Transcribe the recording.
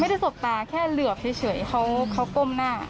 สบตาแค่เหลือบเฉยเขาก้มหน้า